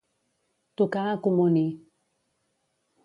Tocar a comunir.